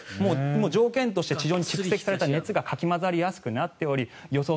条件として地上に蓄積された熱がかき混ざりやすくなっており予想